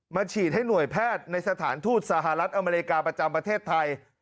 ฉีดให้หน่วยแพทย์ในสถานทูตสหรัฐอเมริกาประจำประเทศไทย